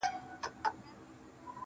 گراني اتيا زره صفاته دې په خال کي سته_